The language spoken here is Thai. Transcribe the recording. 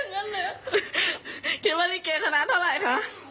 ร้องไห้นี่ดีใจที่ได้ตำแหน่ง